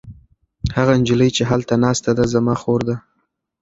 هغه نجلۍ چې هلته ناسته ده زما خور ده.